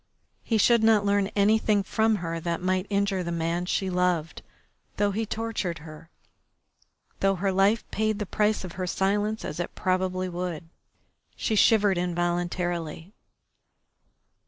He should not learn anything from her that might injure the man she loved, though he tortured her, though her life paid the price of her silence, as it probably would. She shivered involuntarily.